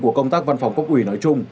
của công tác văn phòng cấp ủy nói chung